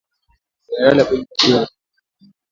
Jenerali Abdel Fattah al Burhan